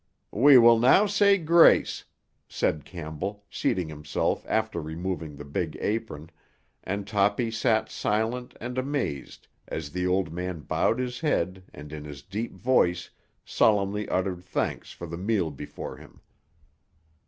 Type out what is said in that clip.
"We will now say grace," said Campbell, seating himself after removing the big apron, and Toppy sat silent and amazed as the old man bowed his head and in his deep voice solemnly uttered thanks for the meal before him.